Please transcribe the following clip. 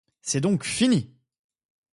C’est donc fini !